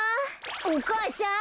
お母さん！